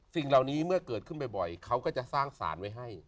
สิ่งเหล่านี้เมื่อเกิดขึ้นบ่อยเขาก็จะสร้างสารไว้ให้